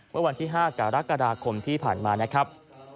เมื่อวันที่๕กรกฎาคมที่ผ่านมานะครับ